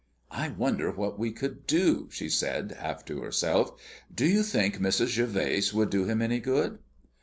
"I wonder what we could do?" she said, half to herself. "Do you think Mrs. Gervase would do him any good?"